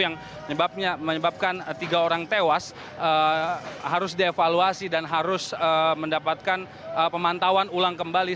yang menyebabkan tiga orang tewas harus dievaluasi dan harus mendapatkan pemantauan ulang kembali